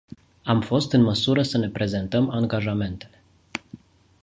Am fost în măsură să ne prezentăm angajamentele.